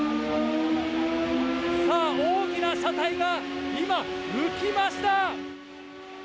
さあ、大きな車体が今、浮きました！